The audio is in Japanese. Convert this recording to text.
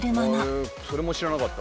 「へえそれも知らなかった」